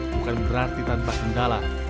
bukan berarti tanpa kendala